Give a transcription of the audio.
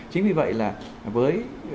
chính vì vậy là với